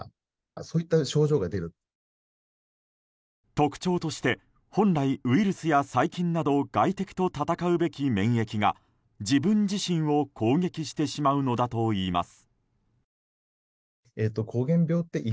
特徴として本来、ウイルスや細菌など外敵と闘うべき免疫が自分自身を攻撃してしまうのだといいます。